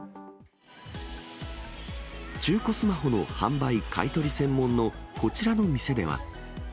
中古スマホの販売、買い取り専門のこちらの店では。